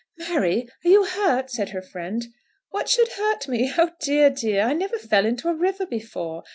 "Mary, are you hurt?" said her friend. "What should hurt me? Oh dear, oh dear! I never fell into a river before.